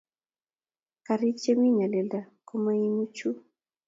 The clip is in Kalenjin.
karik chemii nyalilda komaimu chuu